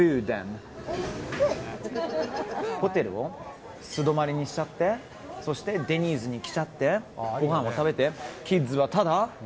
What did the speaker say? ホテルを素泊まりにしちゃってそしてデニーズに来ちゃってご飯を食べて、キッズはタダ。